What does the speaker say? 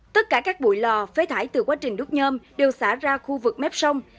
tất cả các bụi lò phế thải từ quá trình đốt nhơm đều xả ra khu vực mép sông